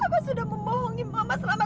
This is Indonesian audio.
bapak sudah memohongi mama selama